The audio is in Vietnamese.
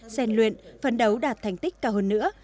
xen luyện phấn đấu đạt thành tích cao hơn nữa